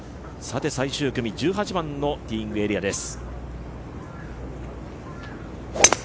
最終組１８番のティーイングエリアです。